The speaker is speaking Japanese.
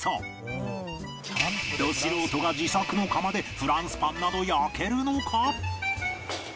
ド素人が自作の窯でフランスパンなど焼けるのか？